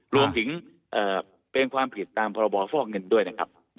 รวมถึงเป็นความผิดตามพรบฟอกเงินด้วยนะครับ